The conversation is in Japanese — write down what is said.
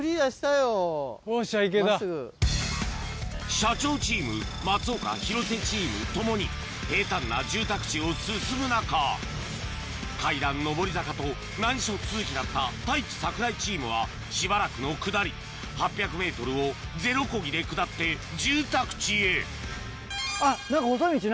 社長チーム松岡・広瀬チーム共に平坦な住宅地を進む中階段上り坂と難所続きだった太一・櫻井チームはしばらくの下り８００ｍを０コギで下って住宅地へあっ。